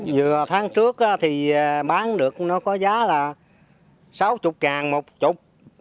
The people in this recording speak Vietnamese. dừa tháng trước thì bán được nó có giá là sáu mươi đồng một chục